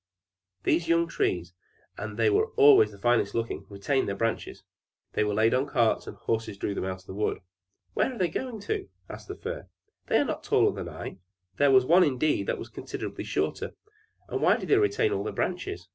These young trees, and they were always the finest looking, retained their branches; they were laid on carts, and the horses drew them out of the wood. "Where are they going to?" asked the Fir. "They are not taller than I; there was one indeed that was considerably shorter; and why do they retain all their branches?